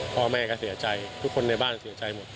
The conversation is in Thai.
พ่อแม่ก็เสียใจทุกคนในบ้านเสียใจหมด